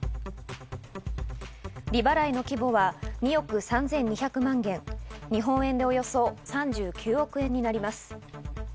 利払いの規模は２億３２００万元、日本円でおよそ３９億円になります。